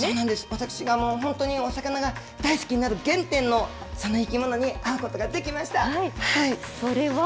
私が、本当にお魚が大好きになる原点のその生き物に会うことがでそれは？